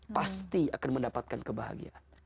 pasti akan mendapatkan kebahagiaan